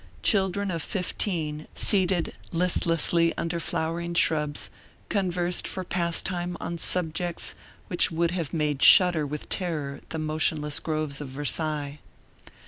Children of fifteen seated listlessly under flowering shrubs, conversed for pastime on subjects which would have made shudder with terror the motionless groves of Versailles.